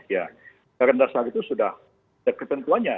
ya anggaran dasar itu sudah pada ketentuannya